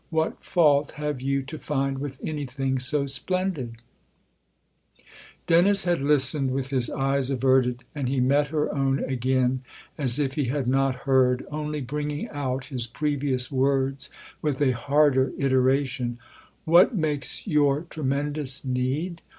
What fault have you to find with anything so splendid ?" Dennis had listened with his eyes averted, and he met her own again as if he had not heard, only bringing out his previous words with a harder iteration :" What makes your tremendous need